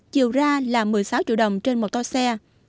chiều ra là một mươi sáu triệu đồng trên một toa xe